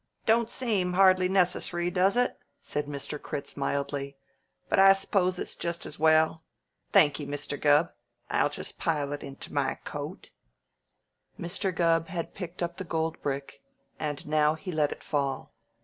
"Don't seem hardly necess'ry, does it?" said Mr. Critz mildly. "But I s'pose it's just as well. Thankee, Mister Gubb. I'll just pile into my coat " Mr. Gubb had picked up the gold brick, and now he let it fall.